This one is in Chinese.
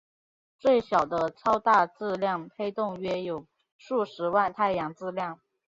最小的超大质量黑洞约有数十万太阳质量。